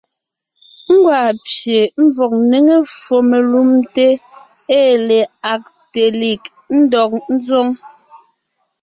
Gwaa pye ḿvɔg ńnéŋe ffo melumte ée le Agtelig ńdɔg ńzoŋ.